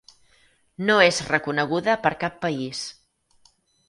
No és reconeguda per cap país.